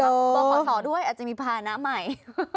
บอกขอสอด้วยอาจจะมีภาพหน้าใหม่